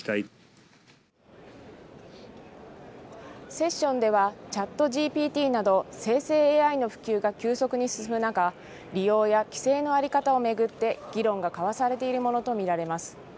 セッションではＣｈａｔＧＰＴなど生成ＡＩの普及が急速に進む中、利用や規制の在り方を巡って議論が交わされているものと見られます。